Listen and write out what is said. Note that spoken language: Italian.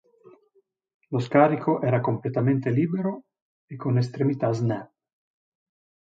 Lo scarico era completamente libero e con estremità “Snap”.